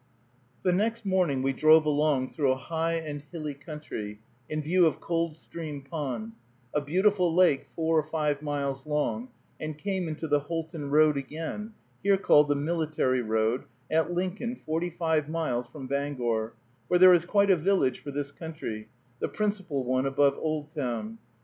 The next morning we drove along through a high and hilly country, in view of Cold Stream Pond, a beautiful lake four or five miles long, and came into the Houlton road again, here called the military road, at Lincoln, forty five miles from Bangor, where there is quite a village for this country, the principal one above Oldtown.